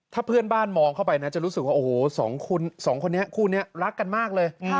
ถ้าเพื่อนบ้านมองเข้าไปนะจะรู้สึกว่าโอ้โหสองคนนี้คู่นี้รักกันมากเลย